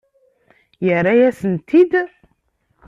Yerra-yasent-t-id?